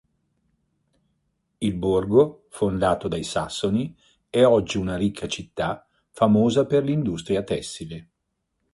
Il borgo, fondato dai Sassoni, è oggi una ricca città famosa per l'industria tessile.